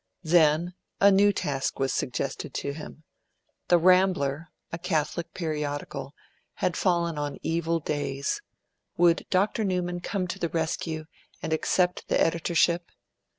Then a new task was suggested to him: "The Rambler", a Catholic periodical, had fallen on evil days; would Dr Newman come to the rescue, and accept the editorship?